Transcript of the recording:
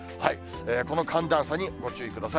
この寒暖差にご注意ください。